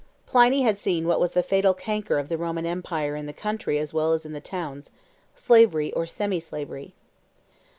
Pliny had seen what was the fatal canker of the Roman empire in the country as well as in the towns: slavery or semi slavery.